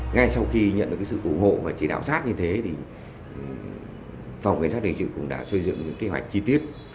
ngay sau khi nhận được sự ủng hộ và chỉ đạo sát như thế thì phòng cảnh sát hình sự cũng đã xây dựng những kế hoạch chi tiết